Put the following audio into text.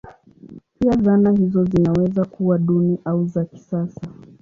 Pia zana hizo zinaweza kuwa duni au za kisasa.